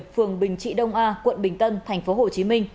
phường bình trị đông a quận bình tân tp hcm